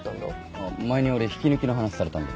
あぁ前に俺引き抜きの話されたんで。